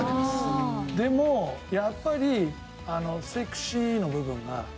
でもやっぱり「セクシー」の部分が。